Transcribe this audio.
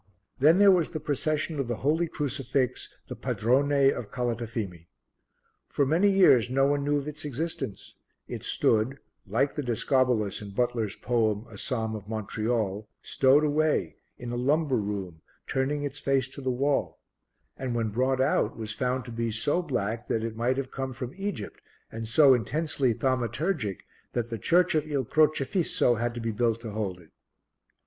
Then there was the Procession of the Holy Crucifix, the Padrone of Calatafimi. For many years no one knew of its existence; it stood, like the Discobolus in Butler's poem, A Psalm of Montreal, stowed away, in a lumber room, turning its face to the wall, and when brought out was found to be so black that it might have come from Egypt and so intensely thaumaturgic that the church of Il Crocefisso had to be built to hold it.